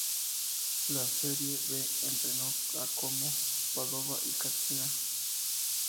En la Serie B entrenó a Como, Padova y Catania.